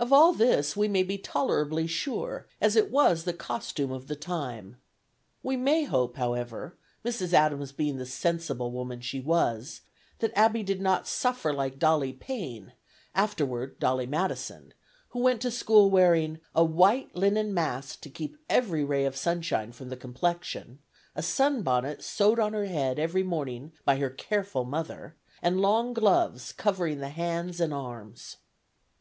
Of all this we may be tolerably sure, as it was the costume of the time. We may hope, however, Mrs. Adams being the sensible woman she was, that Abby did not suffer like Dolly Payne (afterward Dolly Madison), who went to school wearing "a white linen mask to keep every ray of sunshine from the complexion, a sunbonnet sewed on her head every morning by her careful mother, and long gloves covering the hands and arms."